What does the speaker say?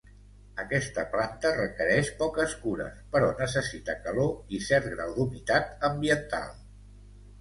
Aquesta planta requereix poques cures, però necessita calor i cert grau d'humitat ambiental.